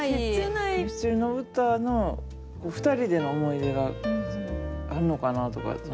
ミスチルの歌の２人での思い出があんのかなあとか。